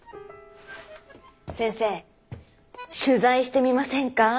先生取材してみませんか？